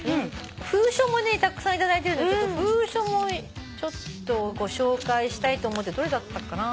封書もたくさん頂いてるんで封書もご紹介したいと思ってどれだったかな。